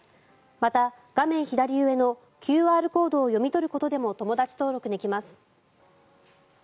また、画面左上のＱＲコードを読み取ることでも友だち登録できます。